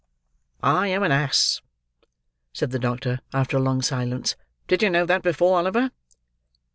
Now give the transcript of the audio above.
"I am an ass!" said the doctor, after a long silence. "Did you know that before, Oliver?"